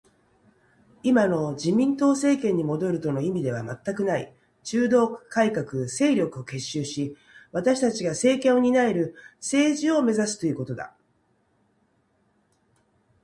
今の自民党政権に戻るとの意味では全くない。中道改革勢力を結集し、私たちが政権を担える政治を目指すということだ